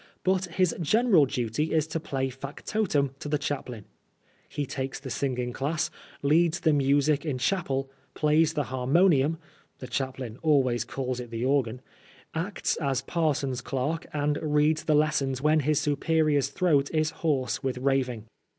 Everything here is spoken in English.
But his general duty is to play factotum to the chaplain. He takes the singing class, leads the music in chapel, plays the harmonium (the chaplain always calls it the organ), acts as parson's clerk, and reads the lessons when his superior's throat is hoarse with raving.